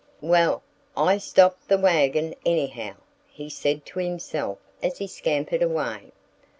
"Well, I stopped the wagon, anyhow!" he said to himself as he scampered away.